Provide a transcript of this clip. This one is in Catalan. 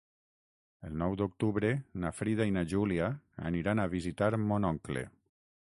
El nou d'octubre na Frida i na Júlia aniran a visitar mon oncle.